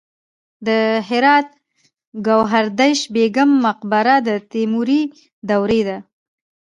د هرات ګوهردش بیګم مقبره د تیموري دورې ده